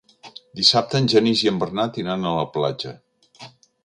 Dissabte en Genís i en Bernat iran a la platja.